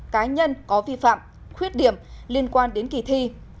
cá nhân có vi phạm khuyết điểm liên quan đến kỳ thi